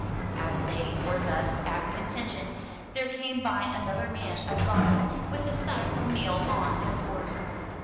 As they were thus at contention, there came by another man of Gotham with a sack of meal on his horse.